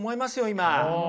今。